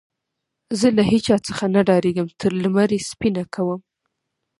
زه له هيچا څخه نه ډارېږم؛ تر لمر يې سپينه کوم.